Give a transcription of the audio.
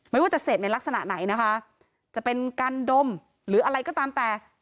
ไม่ว่าจะเสพในลักษณะไหนนะคะจะเป็นกันดมหรืออะไรก็ตามแต่